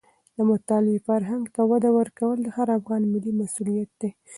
د مطالعې فرهنګ ته وده ورکول د هر افغان ملي مسوولیت دی.